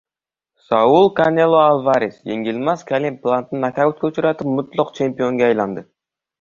Saul Kanelo Alvares yengilmas Kaleb Plantni nokautga uchratib, mutlaq chempionga aylandi